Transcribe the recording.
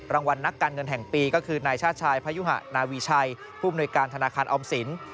รางวัลนักการเงินแห่งปีก็คือนายชาติชายพยุหะนาวีชัยผู้มนุยการธนาคารออมสิน